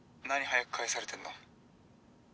何早く帰されてんの？